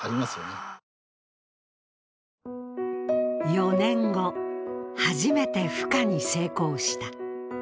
４年後、初めてふ化に成功した。